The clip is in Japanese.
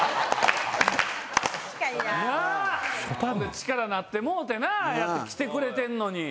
力になってもろてなああやって来てくれてんのに。